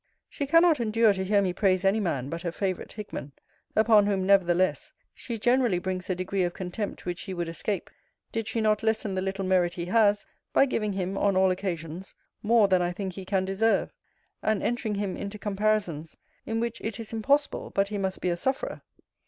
She cannot endure to hear me praise any man but her favourite Hickman; upon whom, nevertheless, she generally brings a degree of contempt which he would escape, did she not lessen the little merit he has, by giving him, on all occasions, more than I think he can deserve, and entering him into comparisons in which it is impossible but he must be a sufferer.